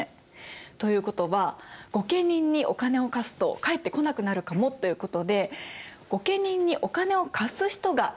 ということは御家人にお金を貸すと返ってこなくなるかもということで御家人にお金を貸す人がいなくなってしまいます。